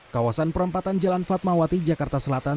kawasan perempatan jalan fatmawati jakarta selatan